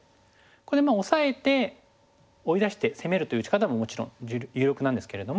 これでオサえて追い出して攻めるという打ち方ももちろん有力なんですけれども。